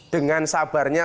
dengan sabarnya saya berpikir